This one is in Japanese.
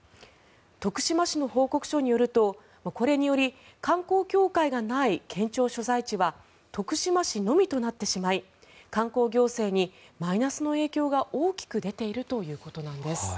徳島市の報告書によるとこれにより観光協会がない県庁所在地は徳島市のみとなってしまい観光行政にマイナスの影響が大きく出ているということなんです。